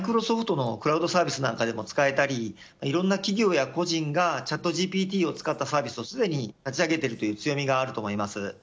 マイクロソフトのクラウドサービスでも使えたりいろんな企業や個人がチャットＧＰＴを使ったサービスをすでに立ち上げている強みがあると思います。